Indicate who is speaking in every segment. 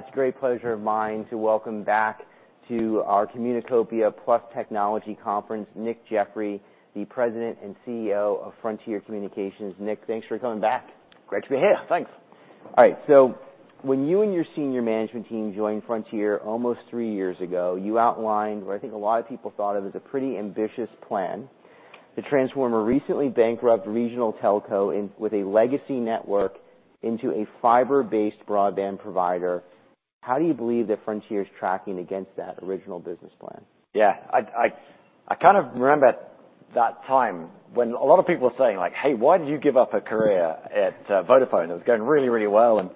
Speaker 1: It's a great pleasure of mine to welcome back to our Communicopia + Technology Conference, Nick Jeffery, the President and CEO of Frontier Communications. Nick, thanks for coming back.
Speaker 2: Great to be here. Thanks.
Speaker 1: All right, so when you and your senior management team joined Frontier almost three years ago, you outlined what I think a lot of people thought of as a pretty ambitious plan: to transform a recently bankrupt regional telco with a legacy network into a fiber-based broadband provider. How do you believe that Frontier is tracking against that original business plan?
Speaker 2: Yeah, I kind of remember that time when a lot of people were saying, like, "Hey, why did you give up a career at Vodafone? It was going really, really well, and,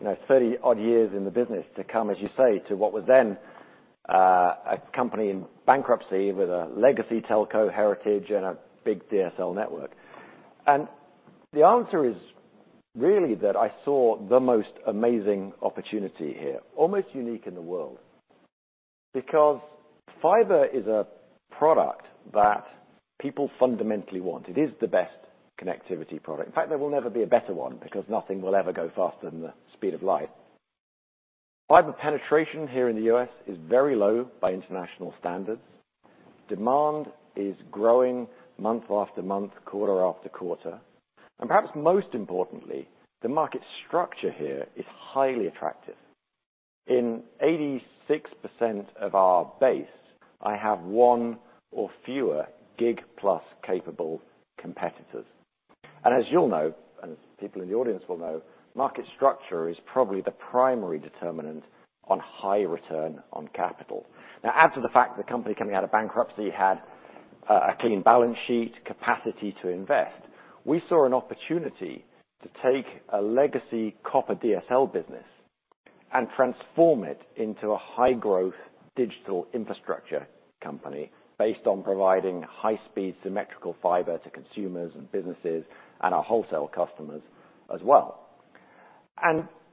Speaker 2: you know, 30-odd years in the business to come," as you say, to what was then a company in bankruptcy with a legacy telco heritage and a big DSL network. And the answer is, really, that I saw the most amazing opportunity here, almost unique in the world, because fiber is a product that people fundamentally want. It is the best connectivity product. In fact, there will never be a better one, because nothing will ever go faster than the speed of light. Fiber penetration here in the U.S. is very low by international standards. Demand is growing month after month, quarter after quarter, and perhaps most importantly, the market structure here is highly attractive. In 86% of our base, I have one or fewer gig-plus capable competitors. And as you'll know, and people in the audience will know, market structure is probably the primary determinant on high return on capital. Now, add to the fact the company coming out of bankruptcy had a clean balance sheet, capacity to invest. We saw an opportunity to take a legacy copper DSL business and transform it into a high-growth digital infrastructure company based on providing high-speed symmetrical fiber to consumers and businesses and our wholesale customers as well.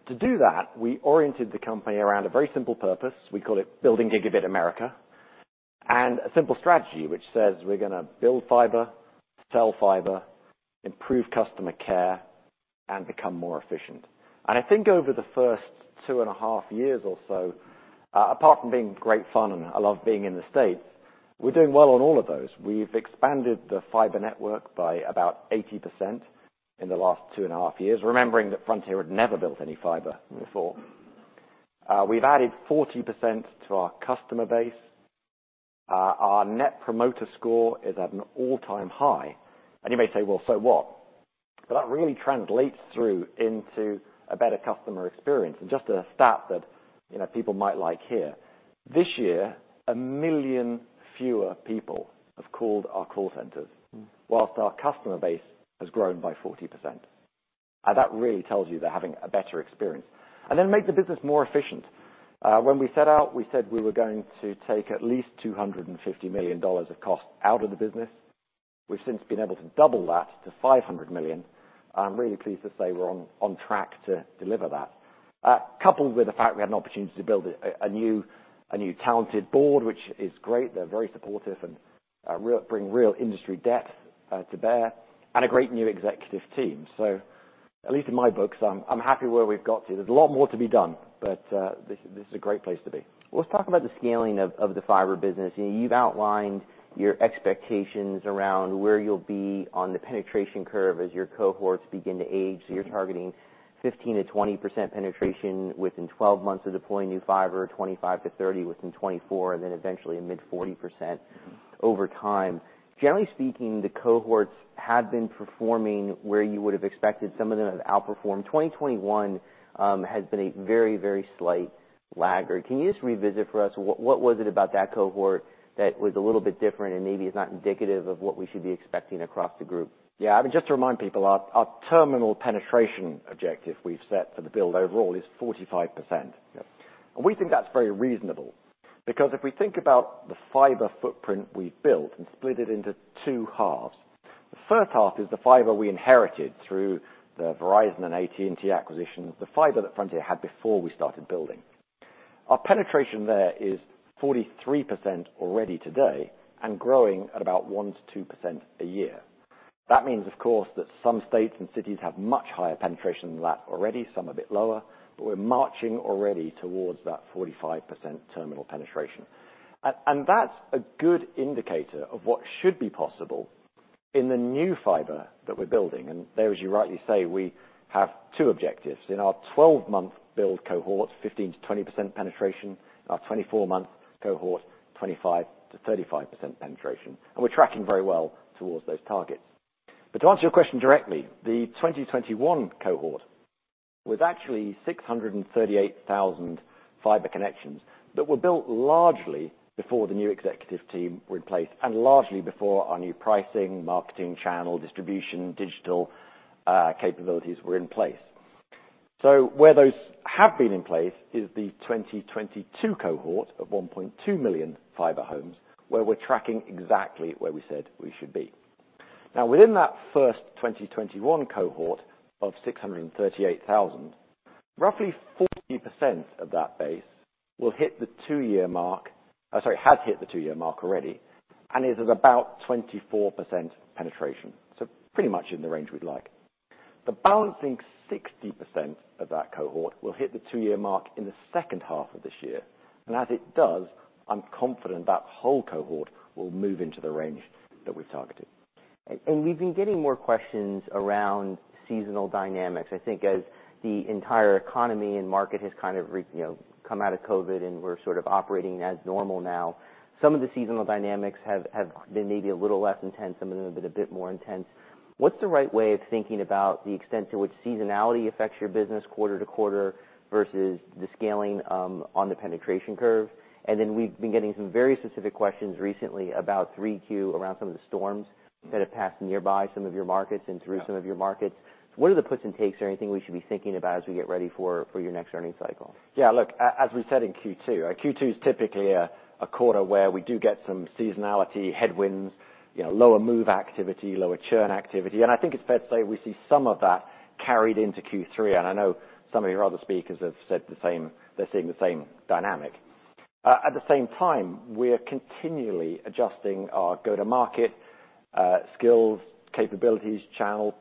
Speaker 2: To do that, we oriented the company around a very simple purpose, we call it Building Gigabit America, and a simple strategy, which says we're gonna build fiber, sell fiber, improve customer care, and become more efficient. I think over the first two and a half years or so, apart from being great fun, and I love being in the States, we're doing well on all of those. We've expanded the fiber network by about 80% in the last two and a half years, remembering that Frontier had never built any fiber before. We've added 40% to our customer base. Our Net Promoter Score is at an all-time high. You may say, "Well, so what?" That really translates through into a better customer experience. Just a stat that, you know, people might like here, this year, 1 million fewer people have called our call centers, while our customer base has grown by 40%. And that really tells you they're having a better experience. And then make the business more efficient. When we set out, we said we were going to take at least $250 million of cost out of the business. We've since been able to double that to $500 million. I'm really pleased to say we're on track to deliver that. Coupled with the fact we had an opportunity to build a new talented board, which is great. They're very supportive and bring real industry depth to bear, and a great new executive team. So at least in my books, I'm happy where we've got to. There's a lot more to be done, but this is a great place to be.
Speaker 1: Well, let's talk about the scaling of the fiber business. You've outlined your expectations around where you'll be on the penetration curve as your cohorts begin to age. So you're targeting 15%-20% penetration within 12 months of deploying new fiber, 25%-30% within 24, and then eventually a mid-40% over time. Generally speaking, the cohorts have been performing where you would have expected, some of them have outperformed. 2021 has been a very, very slight laggard. Can you just revisit for us, what was it about that cohort that was a little bit different and maybe is not indicative of what we should be expecting across the group?
Speaker 2: Yeah, I mean, just to remind people, our terminal penetration objective we've set for the build overall is 45%.
Speaker 1: Yep.
Speaker 2: We think that's very reasonable, because if we think about the fiber footprint we've built and split it into two halves, the first half is the fiber we inherited through the Verizon and AT&T acquisitions, the fiber that Frontier had before we started building. Our penetration there is 43% already today and growing at about 1%-2% a year. That means, of course, that some states and cities have much higher penetration than that already, some a bit lower, but we're marching already towards that 45% terminal penetration. And that's a good indicator of what should be possible in the new fiber that we're building. And there, as you rightly say, we have two objectives: in our 12-month build cohort, 15%-20% penetration, our 24-month cohort, 25%-35% penetration, and we're tracking very well towards those targets. But to answer your question directly, the 2021 cohort was actually 638,000 fiber connections that were built largely before the new executive team were in place, and largely before our new pricing, marketing, channel, distribution, digital capabilities were in place. So where those have been in place is the 2022 cohort of 1.2 million fiber homes, where we're tracking exactly where we said we should be. Now, within that first 2021 cohort of 638,000, roughly 40% of that base has hit the two-year mark already, and is at about 24% penetration. So pretty much in the range we'd like. The balancing 60% of that cohort will hit the two-year mark in the second half of this year, and as it does, I'm confident that whole cohort will move into the range that we've targeted.
Speaker 1: We've been getting more questions around seasonal dynamics. I think as the entire economy and market has kind of you know, come out of COVID, and we're sort of operating as normal now, some of the seasonal dynamics have been maybe a little less intense, some of them have been a bit more intense. What's the right way of thinking about the extent to which seasonality affects your business quarter to quarter, versus the scaling on the penetration curve? And then we've been getting some very specific questions recently about 3Q around some of the storms that have passed nearby some of your markets and through some of your markets. What are the puts and takes or anything we should be thinking about as we get ready for your next earnings cycle?
Speaker 2: Yeah, look, as we said in Q2, Q2 is typically a quarter where we do get some seasonality, headwinds, you know, lower move activity, lower churn activity. And I think it's fair to say we see some of that carried into Q3, and I know some of your other speakers have said the same—they're seeing the same dynamic. At the same time, we are continually adjusting our go-to-market skills, capabilities, channel,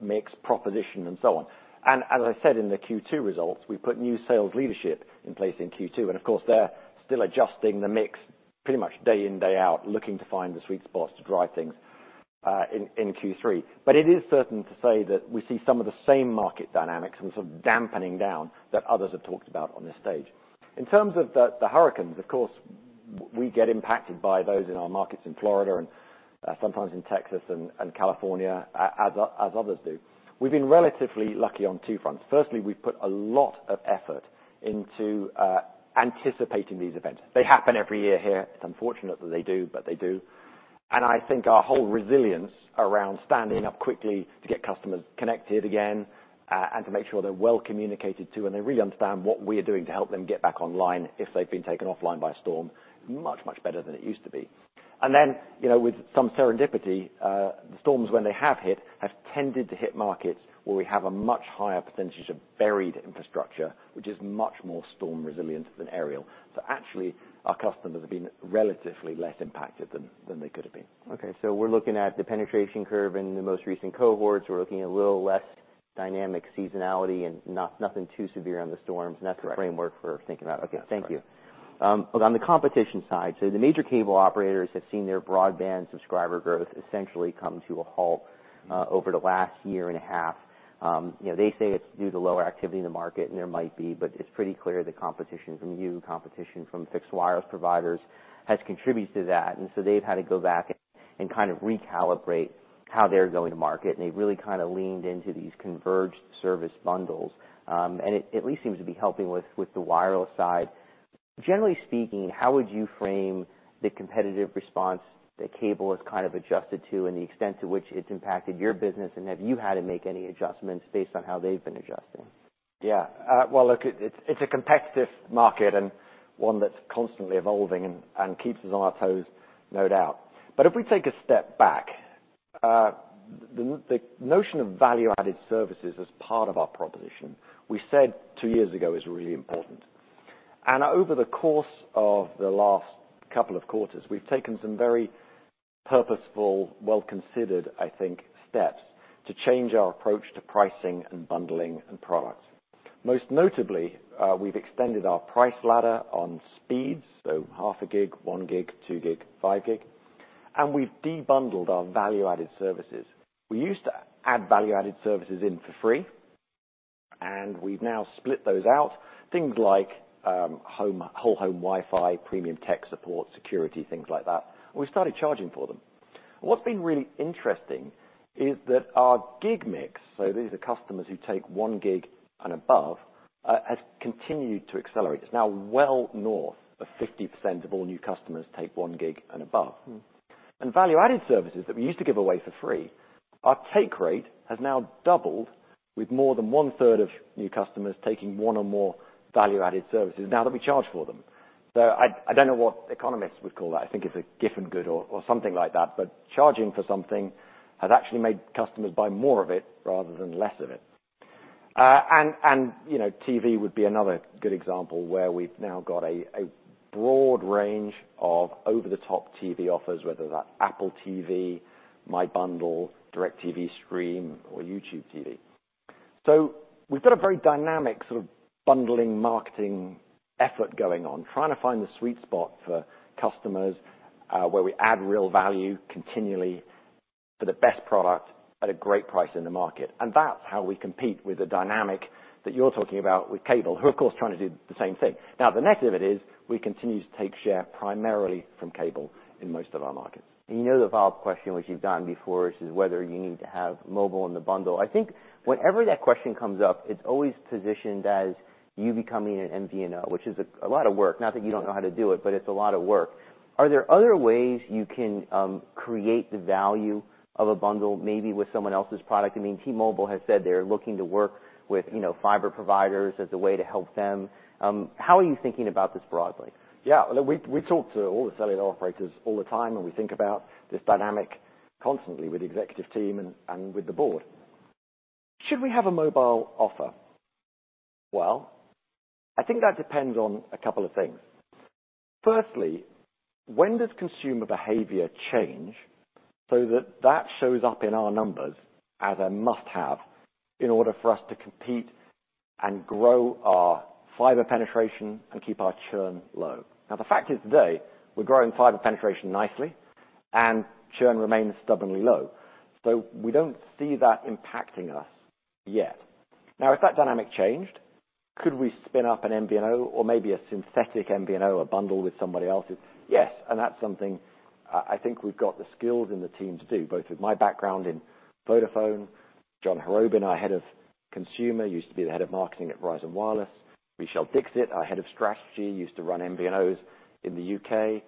Speaker 2: mix, proposition, and so on. And as I said in the Q2 results, we put new sales leadership in place in Q2, and of course, they're still adjusting the mix pretty much day in, day out, looking to find the sweet spots to drive things in Q3. But it is certain to say that we see some of the same market dynamics and sort of dampening down that others have talked about on this stage. In terms of the hurricanes, of course, we get impacted by those in our markets in Florida and sometimes in Texas and California, as others do. We've been relatively lucky on two fronts. Firstly, we've put a lot of effort into anticipating these events. They happen every year here. It's unfortunate that they do, but they do. And I think our whole resilience around standing up quickly to get customers connected again and to make sure they're well communicated to, and they really understand what we are doing to help them get back online if they've been taken offline by a storm, much, much better than it used to be. And then, you know, with some serendipity, the storms, when they have hit, have tended to hit markets where we have a much higher percentage of buried infrastructure, which is much more storm resilient than aerial. So actually, our customers have been relatively less impacted than they could have been.
Speaker 1: Okay, so we're looking at the penetration curve in the most recent cohorts. We're looking at a little less dynamic seasonality and nothing too severe on the storms.
Speaker 2: Correct.
Speaker 1: That's the framework for thinking about.
Speaker 2: Yeah.
Speaker 1: Okay, thank you. On the competition side, so the major cable operators have seen their broadband subscriber growth essentially come to a halt,
Speaker 2: Mm-hmm.
Speaker 1: Over the last year and a half. You know, they say it's due to lower activity in the market, and there might be, but it's pretty clear the competition from you, competition from fixed wireless providers, has contributed to that. And so they've had to go back and kind of recalibrate how they're going to market, and they've really kind of leaned into these converged service bundles. And it at least seems to be helping with the wireless side. Generally speaking, how would you frame the competitive response that cable has kind of adjusted to and the extent to which it's impacted your business, and have you had to make any adjustments based on how they've been adjusting?
Speaker 2: Yeah. Well, look, it's a competitive market and one that's constantly evolving and keeps us on our toes, no doubt. But if we take a step back, the notion of value-added services as part of our proposition, we said two years ago, is really important. And over the course of the last couple of quarters, we've taken some very purposeful, well-considered, I think, steps to change our approach to pricing and bundling and products. Most notably, we've extended our price ladder on speeds, so 0.5 gig, 1 gig, 2 gig, 5 gig, and we've debundled our value-added services. We used to add value-added services in for free, and we've now split those out, things like whole home Wi-Fi, premium tech support, security, things like that, and we started charging for them. What's been really interesting is that our gig mix, so these are customers who take 1 gig and above, has continued to accelerate. It's now well north of 50% of all new customers take 1 gig and above.
Speaker 1: Mm-hmm.
Speaker 2: Value-added services that we used to give away for free, our take rate has now doubled with more than 1/3 of new customers taking one or more value-added services now that we charge for them. I don't know what economists would call that. I think it's a Giffen good or something like that, but charging for something has actually made customers buy more of it rather than less of it. You know, TV would be another good example where we've now got a broad range of over-the-top TV offers, whether that's Apple TV, MyBundle, DIRECTV Stream, or YouTube TV. We've got a very dynamic sort of bundling, marketing effort going on, trying to find the sweet spot for customers, where we add real value continually for the best product at a great price in the market. That's how we compete with the dynamic that you're talking about with cable, who, of course, are trying to do the same thing. Now, the next of it is we continue to take share primarily from cable in most of our markets.
Speaker 1: You know the follow-up question, which you've gotten before, is whether you need to have mobile in the bundle. I think whenever that question comes up, it's always positioned as you becoming an MVNO, which is a lot of work. Not that you don't know how to do it, but it's a lot of work. Are there other ways you can create the value of a bundle, maybe with someone else's product? I mean, T-Mobile has said they're looking to work with, you know, fiber providers as a way to help them. How are you thinking about this broadly?
Speaker 2: Yeah, look, we talk to all the cellular operators all the time, and we think about this dynamic constantly with the executive team and with the board. Should we have a mobile offer? Well, I think that depends on a couple of things. Firstly, when does consumer behavior change, so that that shows up in our numbers as a must-have, in order for us to compete and grow our fiber penetration and keep our churn low? Now, the fact is today, we're growing fiber penetration nicely, and churn remains stubbornly low, so we don't see that impacting us yet. Now, if that dynamic changed, could we spin up an MVNO or maybe a synthetic MVNO, a bundle with somebody else's? Yes, and that's something I think we've got the skills and the team to do, both with my background in Vodafone. John Harrobin, our Head of Consumer, used to be the Head of Marketing at Verizon Wireless. Vishal Dixit, our Head of Strategy, used to run MVNOs in the U.K.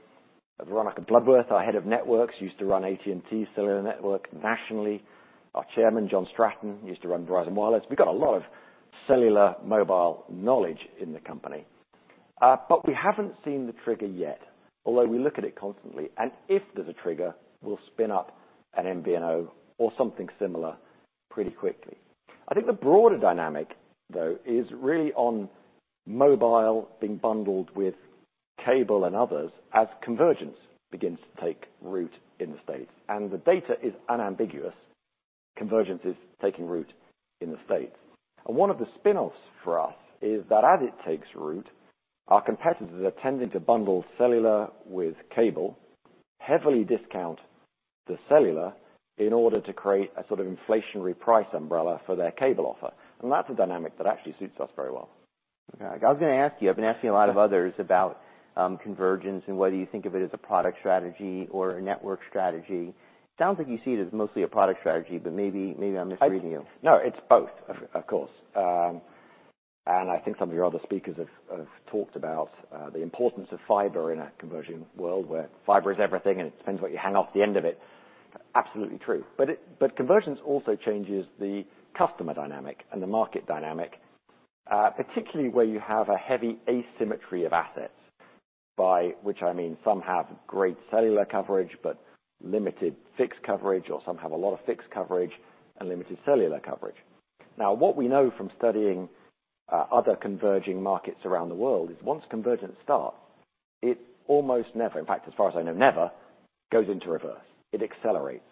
Speaker 2: Veronica Bloodworth, our Head of Networks, used to run AT&T cellular network nationally. Our Chairman, John Stratton, used to run Verizon Wireless. We've got a lot of cellular mobile knowledge in the company, but we haven't seen the trigger yet, although we look at it constantly, and if there's a trigger, we'll spin up an MVNO or something similar pretty quickly. I think the broader dynamic, though, is really on mobile being bundled with cable and others as convergence begins to take root in the States, and the data is unambiguous. Convergence is taking root in the States. One of the spinoffs for us is that as it takes root, our competitors are tending to bundle cellular with cable, heavily discount the cellular in order to create a sort of inflationary price umbrella for their cable offer, and that's a dynamic that actually suits us very well.
Speaker 1: Okay. I was gonna ask you, I've been asking a lot of others about, convergence and whether you think of it as a product strategy or a network strategy. Sounds like you see it as mostly a product strategy, but maybe, maybe I'm misreading you.
Speaker 2: No, it's both, of course. And I think some of your other speakers have talked about the importance of fiber in a convergence world, where fiber is everything, and it depends what you hang off the end of it. Absolutely true. But convergence also changes the customer dynamic and the market dynamic, particularly where you have a heavy asymmetry of assets, by which I mean some have great cellular coverage, but limited fixed coverage, or some have a lot of fixed coverage and limited cellular coverage. Now, what we know from studying other converging markets around the world is once convergence starts, it almost never, in fact, as far as I know, never goes into reverse. It accelerates.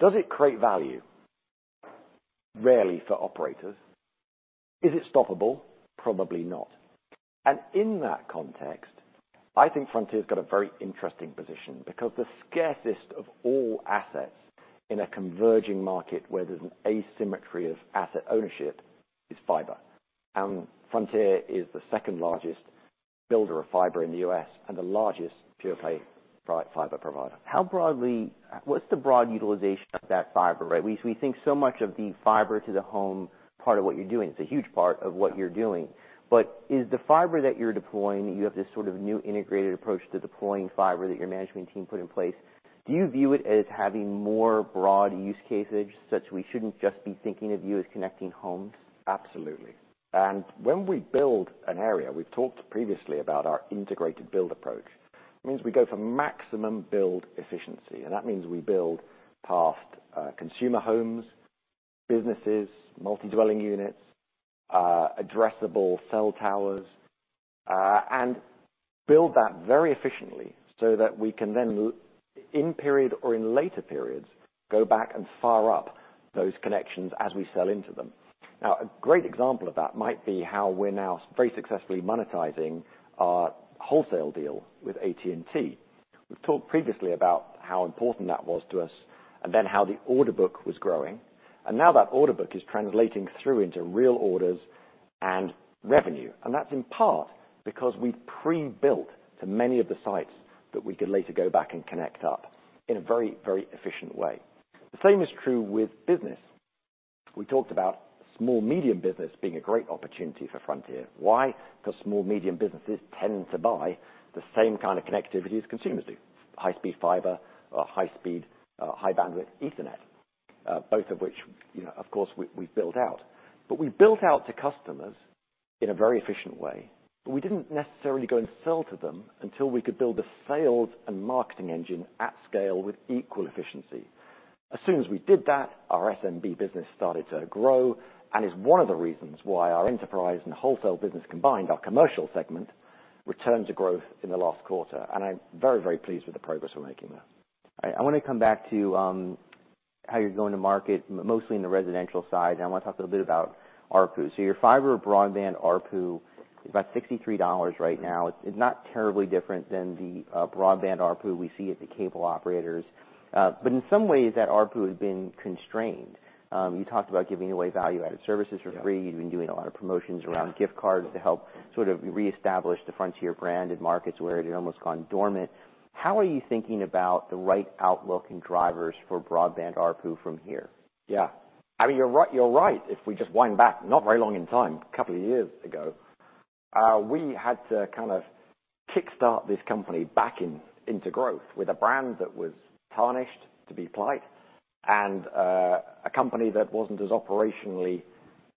Speaker 2: Does it create value? Rarely for operators. Is it stoppable? Probably not. In that context, I think Frontier's got a very interesting position because the scarcest of all assets in a converging market where there's an asymmetry of asset ownership, is fiber. Frontier is the second-largest builder of fiber in the U.S. and the largest pure-play fiber provider.
Speaker 1: What's the broad utilization of that fiber, right? We, we think so much of the fiber to the home, part of what you're doing. It's a huge part of what you're doing. But is the fiber that you're deploying, you have this sort of new integrated approach to deploying fiber that your management team put in place. Do you view it as having more broad use cases, such we shouldn't just be thinking of you as connecting homes?
Speaker 2: Absolutely. When we build an area, we've talked previously about our integrated build approach. It means we go for maximum build efficiency, and that means we build past consumer homes, businesses, multi-dwelling units, addressable cell towers, and build that very efficiently so that we can then, in period or in later periods, go back and fire up those connections as we sell into them. Now, a great example of that might be how we're now very successfully monetizing our wholesale deal with AT&T. We've talked previously about how important that was to us and then how the order book was growing, and now that order book is translating through into real orders and revenue. That's in part because we pre-built to many of the sites that we could later go back and connect up in a very, very efficient way. The same is true with business. We talked about small-medium business being a great opportunity for Frontier. Why? Because small, medium businesses tend to buy the same kind of connectivity as consumers do. High-speed fiber or high-speed, high-bandwidth Ethernet, both of which, you know, of course, we, we built out. But we built out to customers in a very efficient way, but we didn't necessarily go and sell to them until we could build a sales and marketing engine at scale with equal efficiency. As soon as we did that, our SMB business started to grow and is one of the reasons why our enterprise and wholesale business combined, our commercial segment, returned to growth in the last quarter, and I'm very, very pleased with the progress we're making there.
Speaker 1: I wanna come back to how you're going to market, mostly in the residential side. I wanna talk a little bit about ARPU. So your fiber broadband ARPU is about $63 right now. It's not terribly different than the broadband ARPU we see at the cable operators. But in some ways, that ARPU has been constrained. You talked about giving away value-added services for free.
Speaker 2: Yeah.
Speaker 1: You've been doing a lot of promotions around gift cards to help sort of reestablish the Frontier brand in markets where it had almost gone dormant. How are you thinking about the right outlook and drivers for broadband ARPU from here?
Speaker 2: Yeah. I mean, you're right, you're right. If we just wind back, not very long in time, a couple of years ago, we had to kind of kickstart this company back in, into growth with a brand that was tarnished, to be polite, and, a company that wasn't as operationally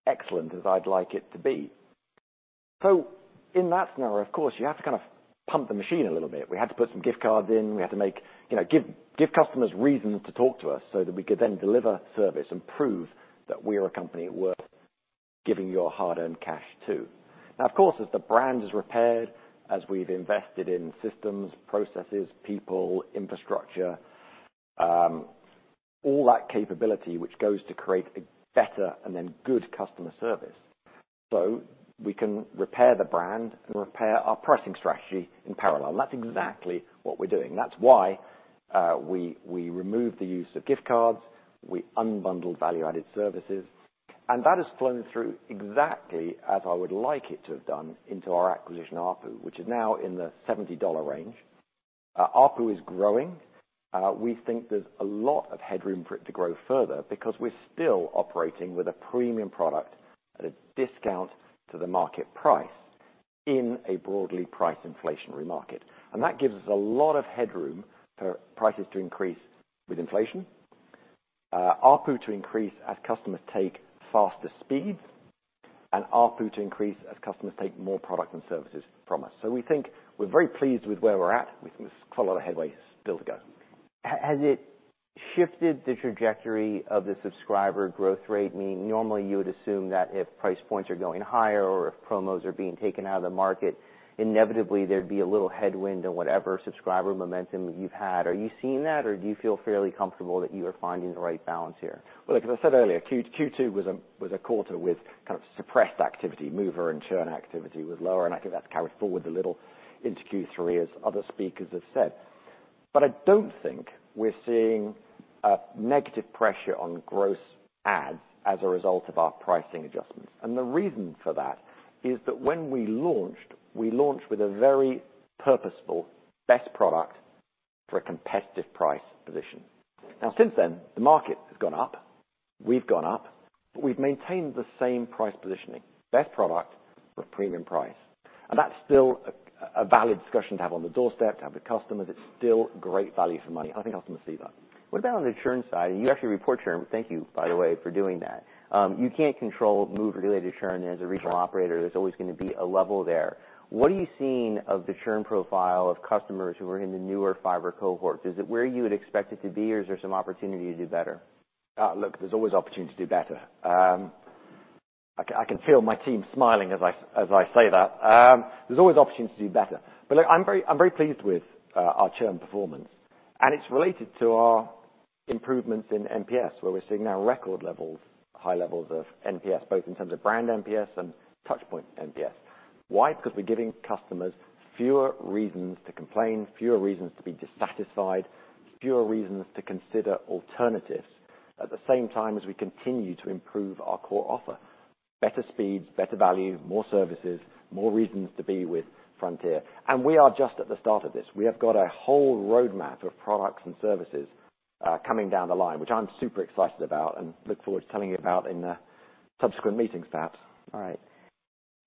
Speaker 2: excellent as I'd like it to be. So in that scenario, of course, you have to kind of pump the machine a little bit. We had to put some gift cards in, we had to make, you know, give, give customers reasons to talk to us so that we could then deliver service and prove that we are a company worth giving your hard-earned cash to. Now, of course, as the brand is repaired, as we've invested in systems, processes, people, infrastructure, all that capability, which goes to create a better and then good customer service. So we can repair the brand and repair our pricing strategy in parallel. And that's exactly what we're doing. That's why we removed the use of gift cards, we unbundled value-added services, and that has flown through exactly as I would like it to have done into our acquisition ARPU, which is now in the $70 range. ARPU is growing. We think there's a lot of headroom for it to grow further because we're still operating with a premium product at a discount to the market price in a broadly price inflationary market. And that gives us a lot of headroom for prices to increase with inflation, ARPU to increase as customers take faster speeds, and ARPU to increase as customers take more products and services from us. So we think we're very pleased with where we're at. We think there's quite a lot of headway still to go.
Speaker 1: Has it shifted the trajectory of the subscriber growth rate? Meaning normally you would assume that if price points are going higher or if promos are being taken out of the market, inevitably there'd be a little headwind on whatever subscriber momentum you've had. Are you seeing that, or do you feel fairly comfortable that you are finding the right balance here?
Speaker 2: Well, look, as I said earlier, Q2 was a quarter with kind of suppressed activity. Mover and churn activity was lower, and I think that's carried forward a little into Q3, as other speakers have said. But I don't think we're seeing a negative pressure on gross adds as a result of our pricing adjustments. And the reason for that is that when we launched, we launched with a very purposeful best product for a competitive price position. Now, since then, the market has gone up, we've gone up, but we've maintained the same price positioning, best product for premium price. And that's still a valid discussion to have on the doorstep, to have with customers. It's still great value for money. I think customers see that.
Speaker 1: What about on the churn side? You actually report churn. Thank you, by the way, for doing that. You can't control move-related churn. As a regional operator, there's always gonna be a level there. What are you seeing of the churn profile of customers who are in the newer fiber cohorts? Is it where you would expect it to be, or is there some opportunity to do better?
Speaker 2: Look, there's always opportunity to do better. I can, I can feel my team smiling as I, as I say that. There's always opportunity to do better. But look, I'm very, I'm very pleased with our churn performance, and it's related to our improvements in NPS, where we're seeing now record levels, high levels of NPS, both in terms of brand NPS and touch point NPS. Why? Because we're giving customers fewer reasons to complain, fewer reasons to be dissatisfied, fewer reasons to consider alternatives. At the same time as we continue to improve our core offer. Better speeds, better value, more services, more reasons to be with Frontier. And we are just at the start of this. We have got a whole roadmap of products and services, coming down the line, which I'm super excited about and look forward to telling you about in subsequent meetings, perhaps.
Speaker 1: All right.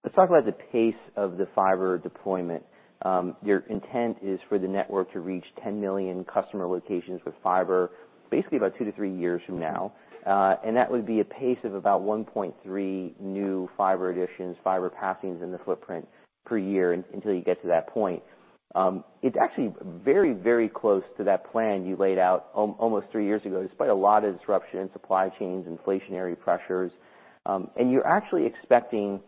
Speaker 1: Let's talk about the pace of the fiber deployment. Your intent is for the network to reach 10 million customer locations with fiber, basically about two to three years from now. And that would be a pace of about 1.3 million new fiber additions, fiber passings in the footprint per year until you get to that point. It's actually very, very close to that plan you laid out almost three years ago, despite a lot of disruption in supply chains, inflationary pressures. And you're actually expecting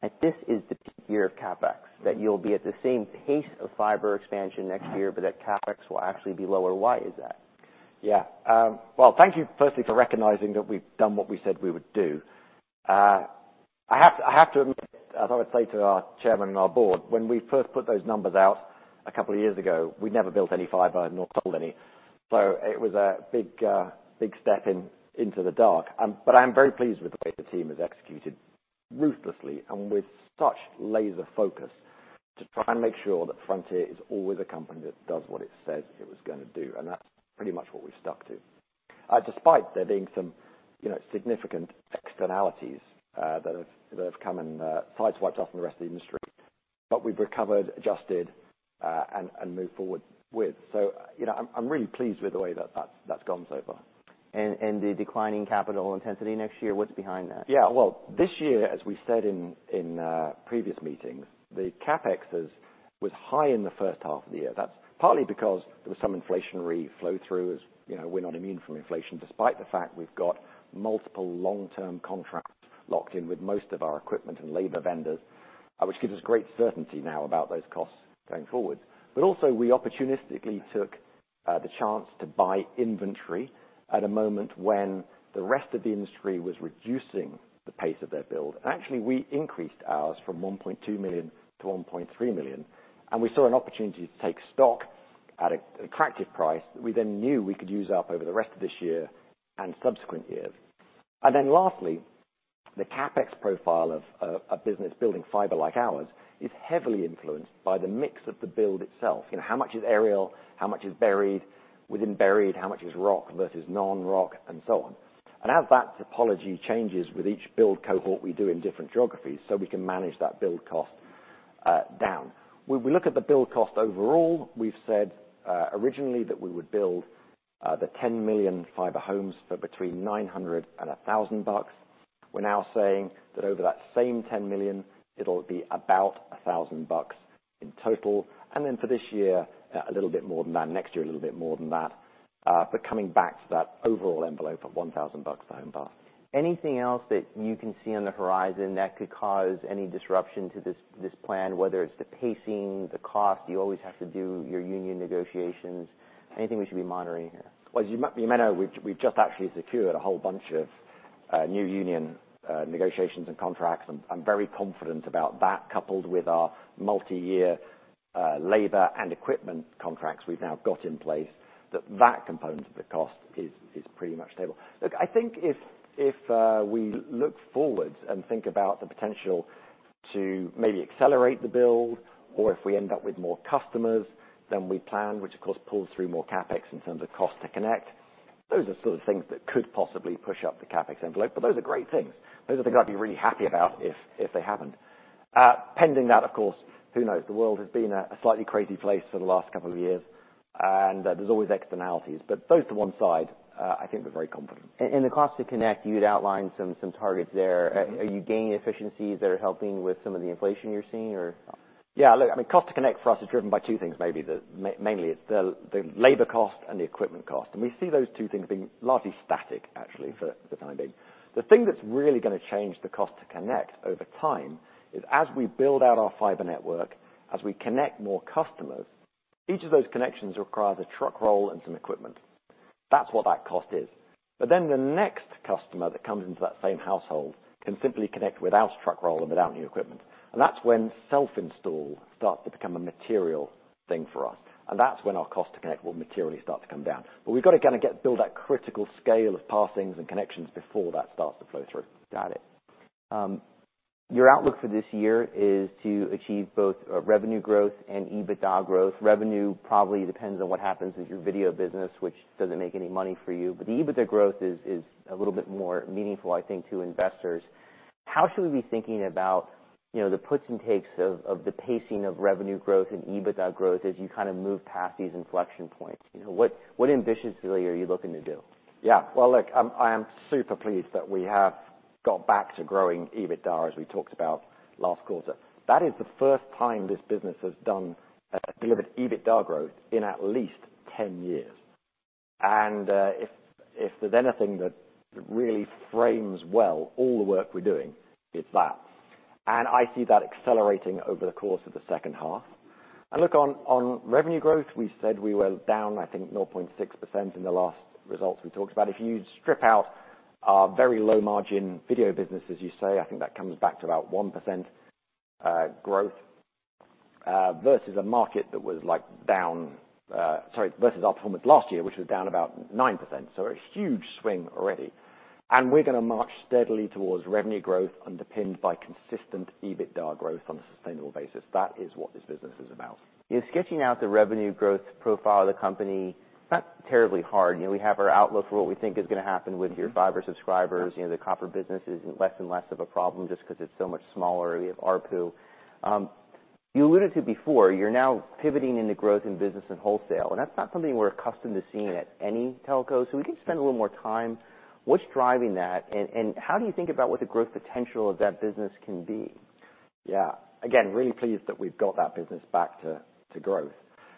Speaker 1: that this is the peak year of CapEx, that you'll be at the same pace of fiber expansion next year, but that CapEx will actually be lower. Why is that?
Speaker 2: Yeah. Well, thank you, firstly, for recognizing that we've done what we said we would do. I have to admit, as I would say to our chairman and our board, when we first put those numbers out a couple of years ago, we'd never built any fiber nor sold any, so it was a big step into the dark. But I'm very pleased with the way the team has executed ruthlessly and with such laser focus, to try and make sure that Frontier is always a company that does what it says it was gonna do, and that's pretty much what we've stuck to. Despite there being some, you know, significant externalities that have come and sideswiped off the rest of the industry, but we've recovered, adjusted, and moved forward with. So, you know, I'm really pleased with the way that that's gone so far.
Speaker 1: The declining capital intensity next year, what's behind that?
Speaker 2: Yeah, well, this year, as we said in previous meetings, the CapEx was high in the first half of the year. That's partly because there was some inflationary flow-through, as you know, we're not immune from inflation, despite the fact we've got multiple long-term contracts locked in with most of our equipment and labor vendors, which gives us great certainty now about those costs going forward. But also, we opportunistically took the chance to buy inventory at a moment when the rest of the industry was reducing the pace of their build. Actually, we increased ours from 1.2 million to 1.3 million, and we saw an opportunity to take stock at an attractive price that we then knew we could use up over the rest of this year and subsequent years. Then lastly, the CapEx profile of a business building fiber like ours is heavily influenced by the mix of the build itself. You know, how much is aerial, how much is buried? Within buried, how much is rock versus non-rock, and so on. As that topology changes with each build cohort we do in different geographies, so we can manage that build cost down. When we look at the build cost overall, we've said, originally that we would build the 10 million fiber homes for between $900 and $1,000. We're now saying that over that same 10 million, it'll be about $1,000 in total, and then for this year, a little bit more than that. Next year, a little bit more than that, but coming back to that overall envelope of $1,000 per home passed.
Speaker 1: Anything else that you can see on the horizon that could cause any disruption to this plan, whether it's the pacing, the cost, you always have to do your union negotiations? Anything we should be monitoring here?
Speaker 2: Well, as you might, you may know, we've just actually secured a whole bunch of new union negotiations and contracts. I'm very confident about that, coupled with our multi-year labor and equipment contracts we've now got in place, that that component of the cost is pretty much stable. Look, I think if we look forward and think about the potential to maybe accelerate the build, or if we end up with more customers than we planned, which of course pulls through more CapEx in terms of cost to connect, those are sort of things that could possibly push up the CapEx envelope, but those are great things. Those are things I'd be really happy about if they haven't. Pending that, of course, who knows? The world has been a slightly crazy place for the last couple of years, and there's always externalities. But those to one side, I think we're very confident.
Speaker 1: In the cost to connect, you'd outlined some targets there.
Speaker 2: Mm-hmm.
Speaker 1: Are you gaining efficiencies that are helping with some of the inflation you're seeing or?
Speaker 2: Yeah, look, I mean, cost to connect for us is driven by two things maybe. Mainly it's the labor cost and the equipment cost, and we see those two things being largely static, actually, for the time being. The thing that's really gonna change the cost to connect over time is as we build out our fiber network, as we connect more customers, each of those connections requires a truck roll and some equipment. That's what that cost is. But then the next customer that comes into that same household can simply connect without a truck roll and without new equipment. And that's when self-install starts to become a material thing for us, and that's when our cost to connect will materially start to come down. But we've got to kind of build that critical scale of passings and connections before that starts to flow through.
Speaker 1: Got it. Your outlook for this year is to achieve both revenue growth and EBITDA growth. Revenue probably depends on what happens with your video business, which doesn't make any money for you, but the EBITDA growth is a little bit more meaningful, I think, to investors. How should we be thinking about, you know, the puts and takes of the pacing of revenue growth and EBITDA growth as you kind of move past these inflection points? You know, what ambitiously are you looking to do?
Speaker 2: Yeah. Well, look, I'm-- I am super pleased that we have got back to growing EBITDA, as we talked about last quarter. That is the first time this business has done, delivered EBITDA growth in at least 10 years. And, if there's anything that really frames well all the work we're doing, it's that. And I see that accelerating over the course of the second half. And look, on, on revenue growth, we said we were down, I think, 0.6% in the last results we talked about. If you strip out our very low-margin video business, as you say, I think that comes back to about 1%, growth, versus a market that was, like, down... Sorry, versus our performance last year, which was down about 9%. So a huge swing already. We're gonna march steadily towards revenue growth, underpinned by consistent EBITDA growth on a sustainable basis. That is what this business is about.
Speaker 1: In sketching out the revenue growth profile of the company, it's not terribly hard. You know, we have our outlook for what we think is gonna happen with your fiber subscribers. You know, the copper business is less and less of a problem just because it's so much smaller. We have ARPU. You alluded to before, you're now pivoting in the growth in business and wholesale, and that's not something we're accustomed to seeing at any telco. So can you spend a little more time? What's driving that, and, and how do you think about what the growth potential of that business can be?
Speaker 2: Yeah. Again, really pleased that we've got that business back to growth.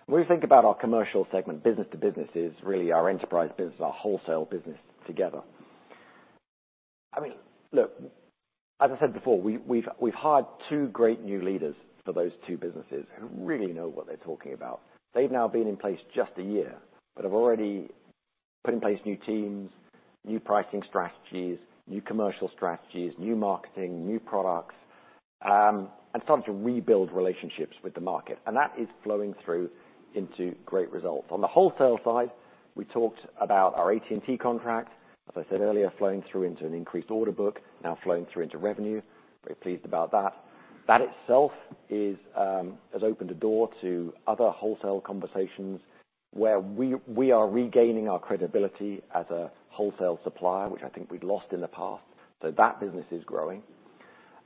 Speaker 2: When we think about our commercial segment, business to business is really our enterprise business, our wholesale business together. I mean, look, as I said before, we've hired two great new leaders for those two businesses who really know what they're talking about. They've now been in place just a year, but have already put in place new teams, new pricing strategies, new commercial strategies, new marketing, new products, and started to rebuild relationships with the market. And that is flowing through into great results. On the wholesale side, we talked about our AT&T contract, as I said earlier, flowing through into an increased order book, now flowing through into revenue. Very pleased about that. That itself is has opened the door to other wholesale conversations where we, we are regaining our credibility as a wholesale supplier, which I think we'd lost in the past. So that business is growing.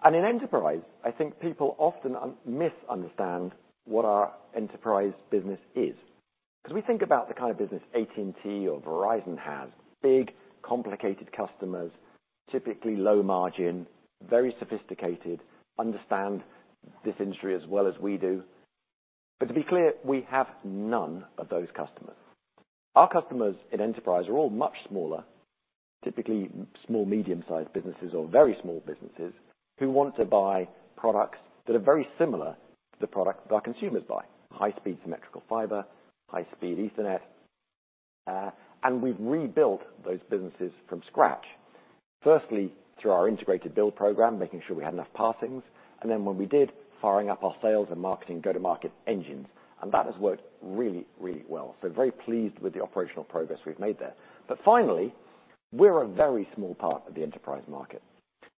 Speaker 2: And in enterprise, I think people often misunderstand what our enterprise business is. Because we think about the kind of business AT&T or Verizon has, big, complicated customers, typically low margin, very sophisticated, understand this industry as well as we do. But to be clear, we have none of those customers. Our customers in enterprise are all much smaller, typically small, medium-sized businesses or very small businesses, who want to buy products that are very similar to the products that our consumers buy: high-speed symmetrical fiber, high-speed Ethernet. And we've rebuilt those businesses from scratch, firstly, through our integrated build program, making sure we had enough passings, and then when we did, firing up our sales and marketing, go-to-market engines. And that has worked really, really well. So very pleased with the operational progress we've made there. But finally, we're a very small part of the enterprise market.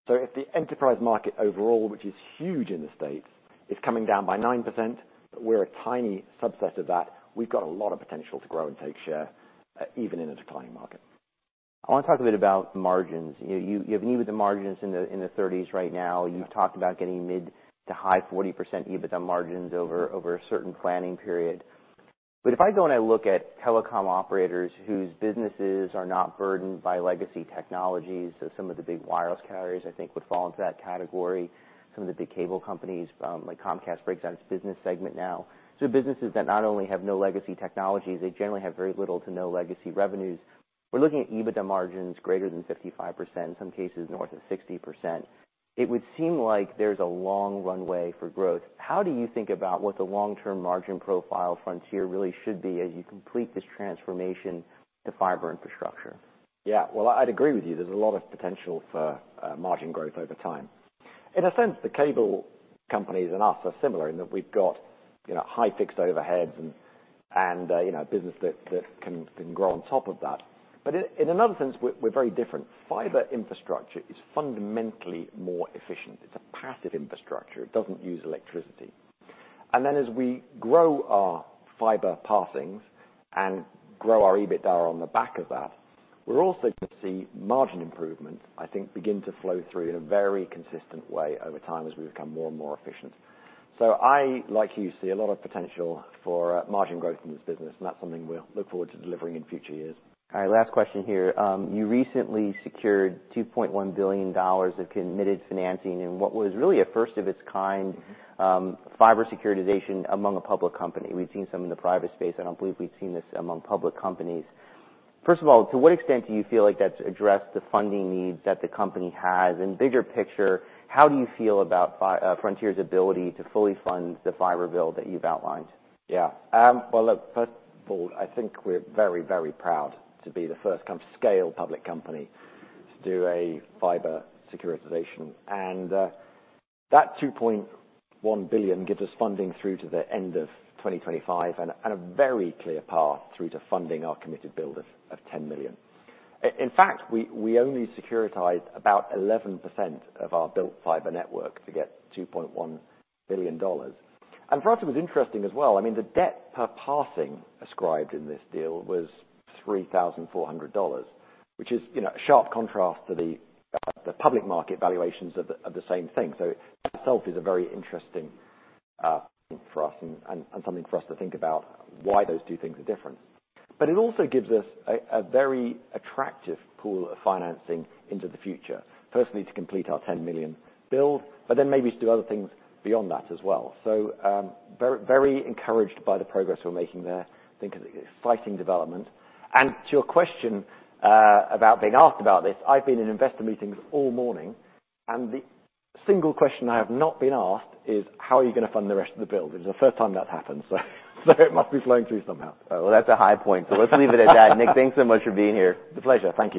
Speaker 2: So if the enterprise market overall, which is huge in the States, is coming down by 9%, we're a tiny subset of that. We've got a lot of potential to grow and take share, even in a declining market....
Speaker 1: I want to talk a bit about margins. You have EBITDA margins in the 30s% right now. You've talked about getting mid- to high-40% EBITDA margins over a certain planning period. But if I go and I look at telecom operators whose businesses are not burdened by legacy technologies, so some of the big wireless carriers, I think, would fall into that category, some of the big cable companies, like Comcast, breaks out its business segment now. So businesses that not only have no legacy technologies, they generally have very little to no legacy revenues. We're looking at EBITDA margins greater than 55%, in some cases north of 60%. It would seem like there's a long runway for growth. How do you think about what the long-term margin profile Frontier really should be as you complete this transformation to fiber infrastructure?
Speaker 2: Yeah. Well, I'd agree with you. There's a lot of potential for margin growth over time. In a sense, the cable companies and us are similar, in that we've got, you know, high fixed overheads and, you know, business that can grow on top of that. But in another sense, we're very different. Fiber infrastructure is fundamentally more efficient. It's a passive infrastructure. It doesn't use electricity. And then, as we grow our fiber passings and grow our EBITDA on the back of that, we're also going to see margin improvement, I think, begin to flow through in a very consistent way over time as we become more and more efficient. So I, like you, see a lot of potential for margin growth in this business, and that's something we'll look forward to delivering in future years.
Speaker 1: All right, last question here. You recently secured $2.1 billion of committed financing in what was really a first of its kind, fiber securitization among a public company. We've seen some in the private space. I don't believe we've seen this among public companies. First of all, to what extent do you feel like that's addressed the funding needs that the company has? And bigger picture, how do you feel about Frontier's ability to fully fund the fiber build that you've outlined?
Speaker 2: Yeah. Well, look, first of all, I think we're very, very proud to be the first kind of scale public company to do a fiber securitization. And that $2.1 billion gives us funding through to the end of 2025, and a very clear path through to funding our committed build of 10 million. In fact, we only securitized about 11% of our built fiber network to get $2.1 billion. And for us, it was interesting as well. I mean, the debt per passing ascribed in this deal was $3,400, which is, you know, a sharp contrast to the public market valuations of the same thing. So itself is a very interesting for us and something for us to think about why those two things are different. But it also gives us a very attractive pool of financing into the future. Firstly, to complete our 10 million build, but then maybe to do other things beyond that as well. So, very, very encouraged by the progress we're making there, think it's an exciting development. And to your question, about being asked about this, I've been in investor meetings all morning, and the single question I have not been asked is: How are you going to fund the rest of the build? It's the first time that's happened, so it must be flowing through somehow.
Speaker 1: Oh, well, that's a high point. So let's leave it at that. Nick, thanks so much for being here.
Speaker 2: A pleasure. Thank you.